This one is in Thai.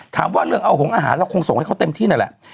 ถามว่าเรื่องเอาหงอาหารเราคงส่งให้เขาเต็มที่นั่นแหละ